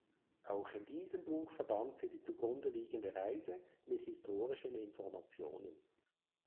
Auch in diesem Buch verband sie die zugrundeliegende Reise mit historischen Informationen.